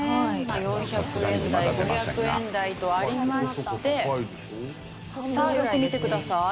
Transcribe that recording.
４００円台５００円台とありましてさあよく見てください。